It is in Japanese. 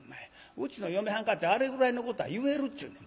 うちの嫁はんかてあれぐらいのことは言えるっちゅうねん。